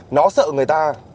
nó sợ người ta